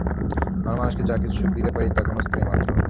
আমরা মানুষকে যাহা কিছু সুখ দিতে পারি, তাহা ক্ষণস্থায়ী মাত্র।